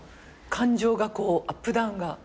感情がこうアップダウンが。